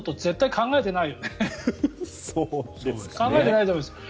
考えてないと思います。